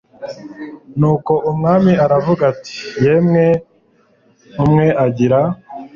nuko umwami aravuga ati yemwe umwe agira